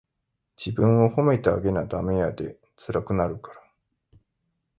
自分を褒めてあげなダメやで、つらくなるから。